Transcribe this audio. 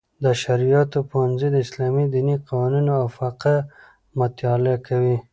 د شرعیاتو پوهنځی د اسلامي دیني قوانینو او فقه مطالعه کوي.